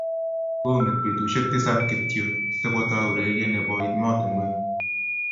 Kong'etu betushe tisap kityo si kotou urerie ne bo emotinwek ne bo .